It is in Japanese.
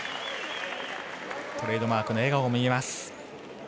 トレードマークの笑顔が見えます。